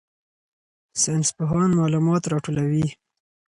ساینسپوهان معلومات راټولوي.